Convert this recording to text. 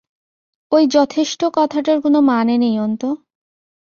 ওই যথেষ্ট কথাটার কোনো মানে নেই অন্তু।